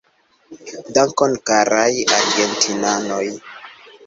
Dankon, karaj argentinanoj.